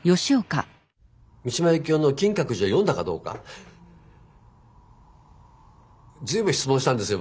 三島由紀夫の「金閣寺」を読んだかどうか随分質問したんですよ